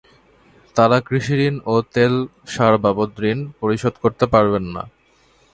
তাঁরা কৃষিঋণ ও তেল সার বাবদ ঋণ পরিশোধ করতে পারবেন না।